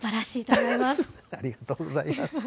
ありがとうございます。